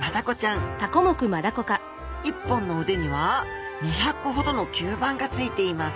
１本の腕には２００個ほどの吸盤がついています。